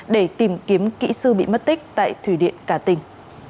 để tìm kiếm kỹ sư bị mất tích tại thủy điện cả tình